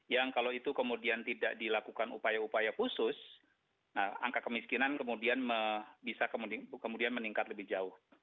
yang kalau itu kemudian tidak dilakukan upaya upaya khusus angka kemiskinan kemudian bisa kemudian meningkat lebih jauh